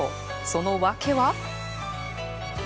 その訳は。